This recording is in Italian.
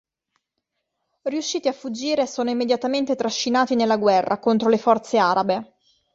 Riusciti a fuggire, sono immediatamente trascinati nella guerra contro le forze arabe.